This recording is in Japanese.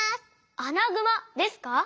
アナグマですか？